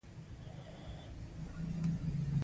هغه خیاط او آهنګر هم په کار اچوي